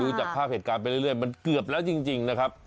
จากภาพเหตุการณ์ไปเรื่อยมันเกือบแล้วจริงนะครับ